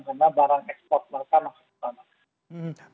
karena barang ekspor bahkan masuk ke sana